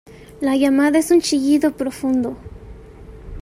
La llamada es un chillido profundo.